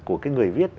của cái người viết